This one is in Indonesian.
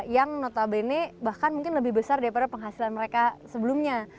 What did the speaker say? yang notabene bahkan mungkin lebih besar daripada penghasilan mereka sebelumnya